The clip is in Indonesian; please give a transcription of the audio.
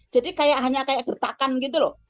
jadi kayak hanya kayak gertakan gitu loh